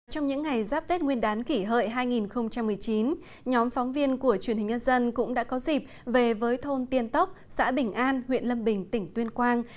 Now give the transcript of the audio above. trong những ngày giáp tết nguyên đán kỷ hợi hai nghìn một mươi chín nhóm phóng viên của truyền hình nhân dân cũng đã có dịp về với thôn tiên tốc xã bình an huyện lâm bình tỉnh tuyên quang